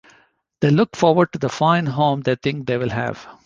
They look forward to the fine home they think they’ll have.